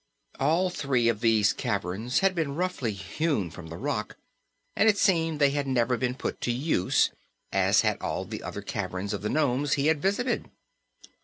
All three of these caverns had been roughly hewn from the rock and it seemed they had never been put to use, as had all the other caverns of the nomes he had visited.